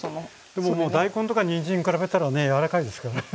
でももう大根とかにんじんに比べたらね柔らかいですからね。